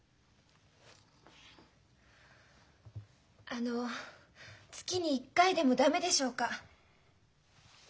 あの月に１回でも駄目でしょうか？